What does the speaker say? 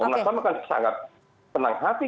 komnasam akan sangat tenang hati